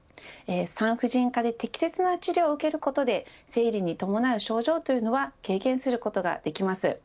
産婦人科で適切な治療を受けることで生理に伴う症状というのは軽減することができます。